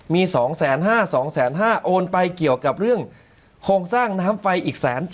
มี๒๕๐๐๒๕๐๐โอนไปเกี่ยวกับเรื่องโครงสร้างน้ำไฟอีก๑๗๐๐